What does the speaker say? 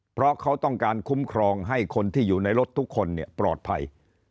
เพราะเขาต้องการคุ้มครองให้คนที่อยู่ในรถทุกคนปลอดภัย